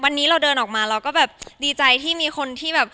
วันนี้เราเดินออกมาเราก็แบบดีใจที่มีคนที่แบบ